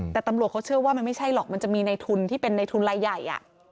แต่ตำรวจเขาเชื่อว่ามันไม่ใช่หรอกมันจะมีในทุนที่เป็นในทุนรายใหญ่